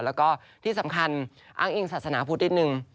แล้วก็ที่สำคัญอ้างอิงศาสนาพุทธนิดนึง